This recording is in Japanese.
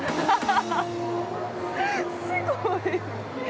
◆すごい！